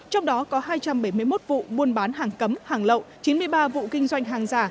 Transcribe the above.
trong đó có hai trăm bảy mươi một vụ buôn bán hàng cấm hàng lậu chín mươi ba vụ kinh doanh hàng giả